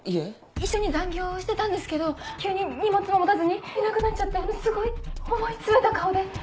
一緒に残業をしてたんですけど急に荷物も持たずにいなくなっちゃってすごい思い詰めた顔で！